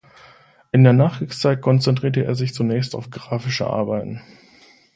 In der Nachkriegszeit konzentrierte er sich zunächst auf graphische Arbeiten.